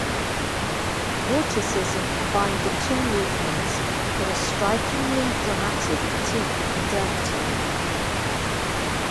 Vorticism combined the two movements in a strikingly dramatic critique of modernity.